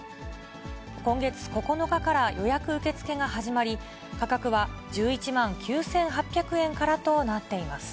今月９日から予約受け付けが始まり、価格は１１万９８００円からとなっています。